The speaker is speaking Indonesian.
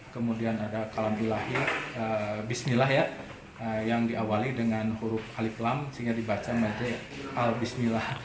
kemudian ada kalambilahi bismillah ya yang diawali dengan huruf alif lam sehingga dibaca macam al bismillah